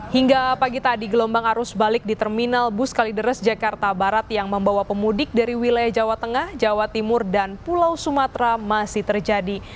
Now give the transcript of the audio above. hingga pagi tadi gelombang arus balik di terminal bus kalideres jakarta barat yang membawa pemudik dari wilayah jawa tengah jawa timur dan pulau sumatera masih terjadi